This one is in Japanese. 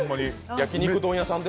焼肉丼屋さんで？